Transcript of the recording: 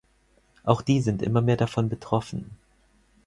Auch die sind immer mehr davon betroffen.